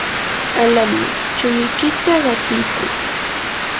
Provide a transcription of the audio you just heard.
alanmi, chulluykita qatiykuy.